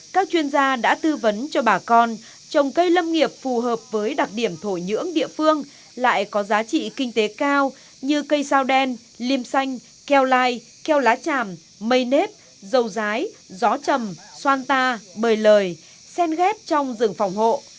các chuyên gia đã tư vấn cho bà con trồng cây lâm nghiệp phù hợp với đặc điểm thổ nhưỡng địa phương lại có giá trị kinh tế cao như cây sao đen lim xanh keo lai keo lá tràm mây nếp dầu rái gió trầm xoan ta bời lời sen ghép trong rừng phòng hộ